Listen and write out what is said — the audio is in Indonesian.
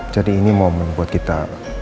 jadi ini momen buat kita